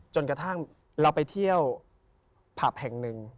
จนกระทั่งเราไปเที่ยวผับแห่งหนึ่ง